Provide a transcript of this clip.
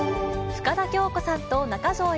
深田恭子さんと中条あ